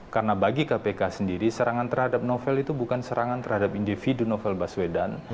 karena bagi kpk sendiri serangan terhadap novel itu bukan serangan terhadap individu novel baswedan